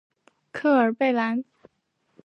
科尔贝兰。